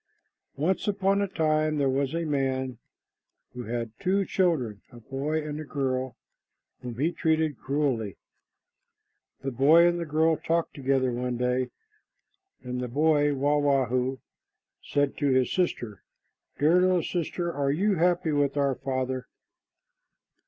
Once upon a time there was a man who had two children, a boy and a girl, whom he treated cruelly. The boy and the girl talked together one day, and the boy, Wah wah hoo, said to his sister, "Dear little sister, are you happy with our father?"